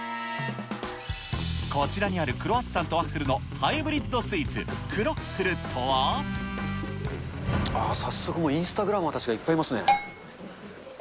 こちらにあるクロワッサンとワッフルのハイブリッドスイーツ、あー、早速インスタグラマーたちがいっぱいいますね。